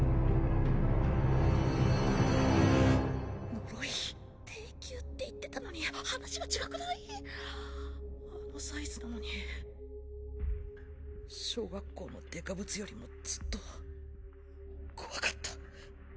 呪い低級って言ってたのに話が違くない⁉あのサイズなのに小学校のデカブツよりもずっと怖かった。